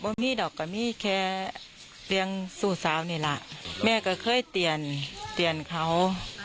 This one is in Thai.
ก็ว่าพี่ดอกก็มีแค่เรียงสู้สาวนี่แหละแม่ก็เคยเตียนเตียนเขา